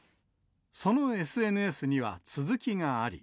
そのＳＮＳには続きがあり。